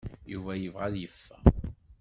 Yuba yebɣa ad yeffeɣ.